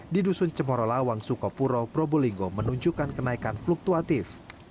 di dusun cemoro lawang sukopuro probolinggo menunjukkan kenaikan fluktuatif